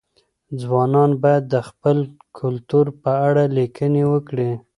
ځوانان باید د خپل کلتور په اړه لیکني وکړي.